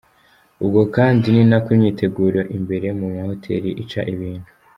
Ubwo kandi ni nako imyiteguro imbere mu mahoteli ica ibintu.